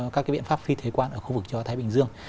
các cái biện pháp phi thuế quan ở khu vực chòa thái bình dương